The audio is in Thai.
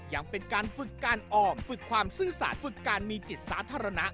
ยังเป็นการฝึกการออมฝึกความซื่อสารฝึกการมีจิตสาธารณะ